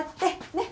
ねっ。